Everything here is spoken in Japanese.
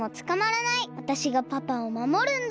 わたしがパパをまもるんだ！